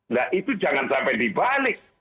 nah itu jangan sampai dibalik